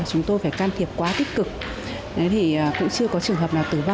chúng tôi phải can thiệp quá tích cực cũng chưa có trường hợp nào tự nhiên